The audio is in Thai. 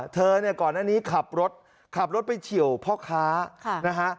เธอเนี่ยก่อนอันนี้ขับรถขับรถไปเฉียวพ่อค้านะฮะ